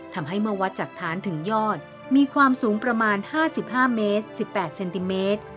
ทำให้เมื่อวัดจากฐานถึงยอดมีความสูงประมาณ๕๕เมตร๑๘เซนติเมตร